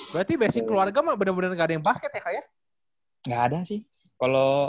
berarti basing keluarga benar benar enggak ada yang basket ya kak ya